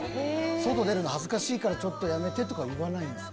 外出るの恥ずかしいからちょっとやめてとか言わないんですか？